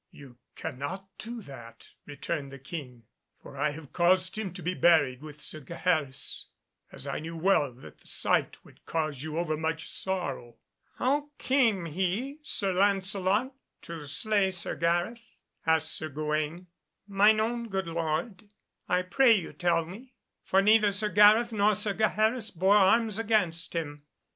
"You cannot do that," returned the King, "for I have caused him to be buried with Sir Gaheris, as I knew well that the sight would cause you overmuch sorrow." "How came he, Sir Lancelot, to slay Sir Gareth?" asked Sir Gawaine; "mine own good lord, I pray you tell me, for neither Sir Gareth nor Sir Gaheris bore arms against him."